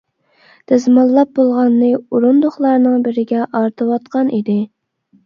دەزماللاپ بولغاننى ئورۇندۇقلارنىڭ بىرگە ئارتىۋاتقان ئىدى.